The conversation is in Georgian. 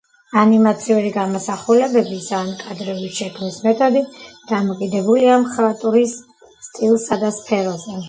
ანიმაციური გამოსახულებების ან კადრების შექმნის მეთოდი დამოკიდებულია მხატვრის სტილსა და სფეროზე.